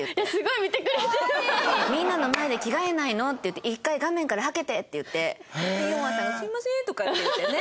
「みんなの前で着替えないの」って言って「１回画面からはけて」って言ってヨンアさんは「すみません」とかって言ってね。